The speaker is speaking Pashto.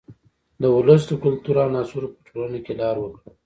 د ولس د کلتور عناصرو په ټولنه کې لار وکړه.